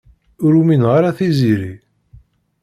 Ur umineɣ ara Tiziri.